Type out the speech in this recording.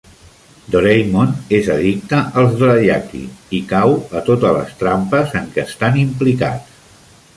Doraemon és addicte als "dorayaki" i cau a totes les trampes en què estan implicats.